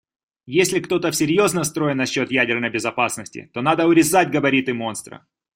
Если кто-то всерьез настроен насчет ядерной безопасности, то надо урезать габариты монстра.